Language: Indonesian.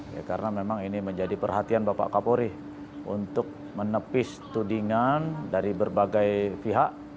ya karena memang ini menjadi perhatian bapak kapolri untuk menepis tudingan dari berbagai pihak